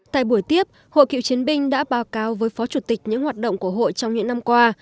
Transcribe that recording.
tại buổi tiếp hội cựu chiến binh đã báo cáo với phó chủ tịch những hoạt động của hội trong những năm qua